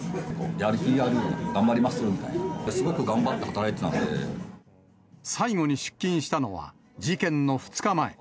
やる気ある、頑張りますみたいな、最後に出勤したのは、事件の２日前。